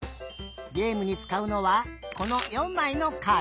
げえむにつかうのはこの４まいのカード。